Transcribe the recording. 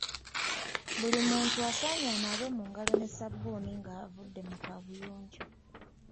Buli muntu asaanye anaabe mu ngalo ne ssabbuuni nga avudde mu kaabuyonjo.